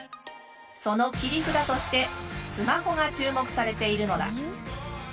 その切り札としてスマホが注目されているのだ。